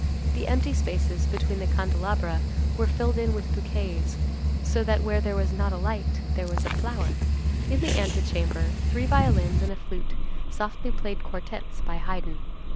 The empty spaces between the candelabra were filled in with bouquets, so that where there was not a light, there was a flower. In the antechamber, three violins and a flute softly played quartettes by Haydn.